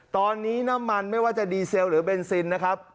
ตอนนี้น้ำมันไม่ว่าจะดีเซลหรือเบนซินนะครับ